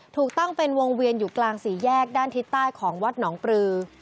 ถูกตั้งเป็นวงเวียนอยู่กลางสี่แยกด้านทิศใต้ของวัดหนองปลือ